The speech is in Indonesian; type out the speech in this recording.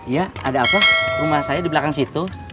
ya ada apa rumah saya di belakang situ